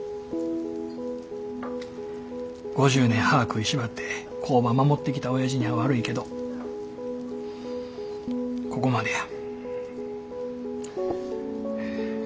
５０年歯ぁ食いしばって工場守ってきたおやじには悪いけどここまでや。